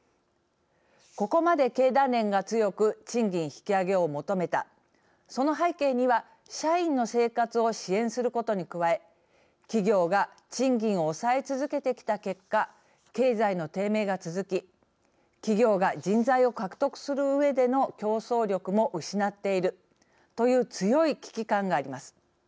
ここまで経団連が強く賃金引き上げを求めたその背景には社員の生活を支援することに加え企業が賃金を抑え続けてきた結果経済の低迷が続き企業が人材を獲得するうえでの競争力も失っているという強い危機感があります。